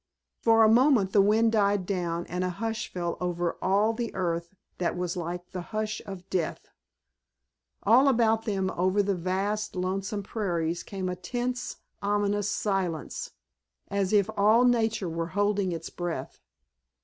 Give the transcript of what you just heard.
For a moment the wind died down and a hush fell over all the earth that was like the hush of death. All about them over the vast, lonesome prairies came a tense, ominous silence, as if all nature were holding its breath.